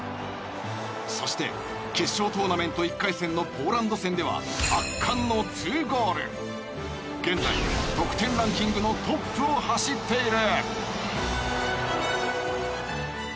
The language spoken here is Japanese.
そして決勝トーナメント１回戦のポーランド戦では現在得点ランキングのトップを走っている。